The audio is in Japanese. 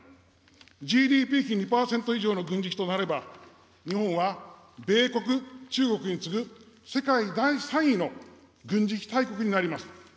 ＧＤＰ比２％以上の軍事費となれば、日本は米国、中国に次ぐ世界第３位の軍事費大国になります。